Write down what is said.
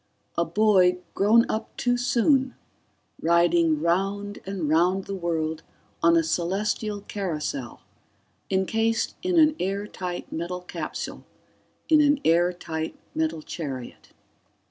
A boy grown up too soon, riding round and round the world on a celestial carousel, encased in an airtight metal capsule in an airtight metal chariot